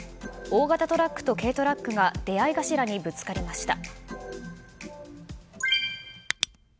大型トラックと軽トラックが出合い頭にぶつかりました。